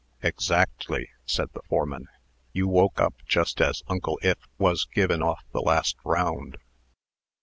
"Exactly," said the foreman. "You woke up just as Uncle Ith was givin' off the last round."